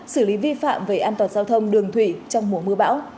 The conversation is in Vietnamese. xử lý vi phạm về an toàn giao thông đường thủy trong mùa mưa bão